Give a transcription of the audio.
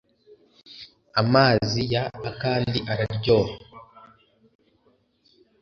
amazi ya akandi araryoha